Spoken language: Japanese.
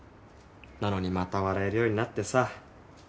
なのにまた笑えるようになってさ。